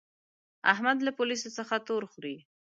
احمد له پوليسو څخه تور خوري.